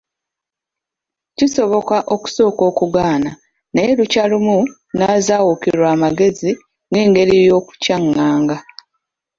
Kisoboka okusooka okugaana, naye lukya lumu n’azaawukirwa amagezi n’engeri y’okukyaŋŋanga.